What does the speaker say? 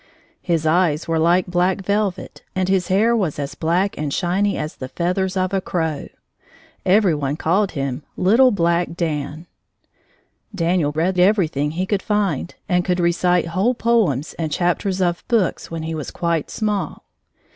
His eyes were like black velvet, and his hair was as black and shiny as the feathers of a crow. Every one called him "little black Dan." Daniel read everything he could find, and could recite whole poems and chapters of books when he was quite small.